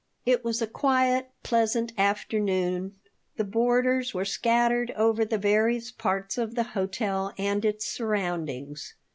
It was a quiet, pleasant afternoon. The boarders were scattered over the various parts of the hotel and its surroundings.